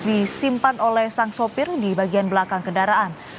disimpan oleh sang sopir di bagian belakang kendaraan